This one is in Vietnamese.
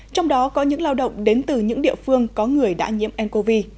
trong đó có những lao động đến từ những địa phương có người đã nhiễm ncov